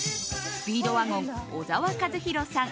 スピードワゴン、小沢一敬さん。